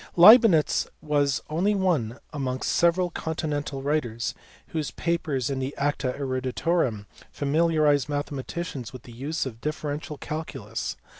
Leibnitz was only one amongst several continental writer* whose papers in the Ada Eruditorum familiarized mathe maticians with the use of the differential calculus.